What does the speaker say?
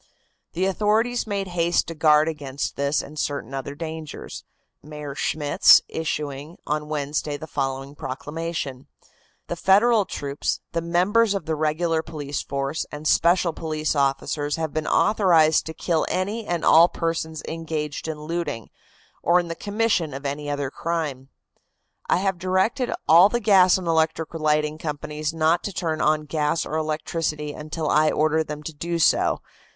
The authorities made haste to guard against this and certain other dangers, Mayor Schmitz issuing on Wednesday the following proclamation: "The Federal troops, the members of the regular police force and special police officers have been authorized to kill any and all persons engaged in looting or in the commission of any other crime. "I have directed all the gas and electric lighting companies not to turn on gas or electricity until I order them to do so.